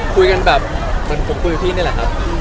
คุยกันแบบเหมือนผมคุยกับพี่นี่แหละครับ